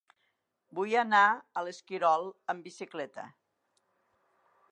Vull anar a l'Esquirol amb bicicleta.